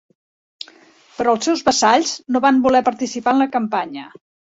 Però els seus vassalls no van voler participar en la campanya.